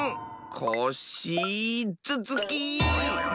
コッシーずつき！